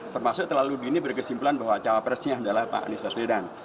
termasuk terlalu dini berkesimpulan bahwa cawapresnya adalah pak anies baswedan